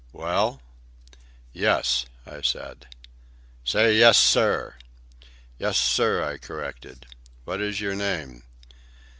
"Well?" "Yes," I said. "Say 'yes, sir.'" "Yes, sir," I corrected. "What is your name?"